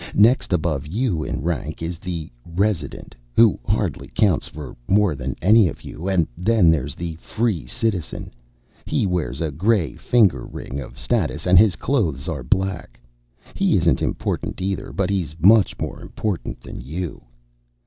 Next above you in rank is the Resident, who hardly counts for more than any of you, and then there's the Free Citizen. He wears a gray finger ring of status, and his clothes are black. He isn't important either, but he's much more important than you.